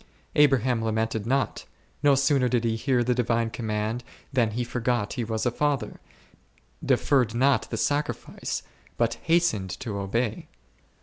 Abraham lamented not ; no sooner did he hear the divine command than he forgot he was a father, de ferred not the sacrifice, but hastened to obey.